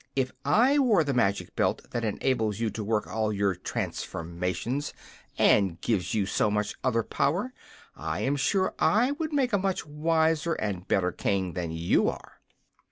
If I wore the magic belt which enables you to work all your transformations, and gives you so much other power, I am sure I would make a much wiser and better King than you are."